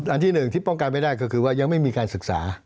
อันที่หนึ่งที่ป้องกันไม่ได้ก็คือว่ายังไม่มีการศึกษา